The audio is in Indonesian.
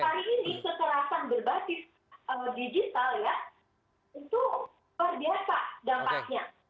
kali ini kekerasan berbasis digital ya itu luar biasa dampaknya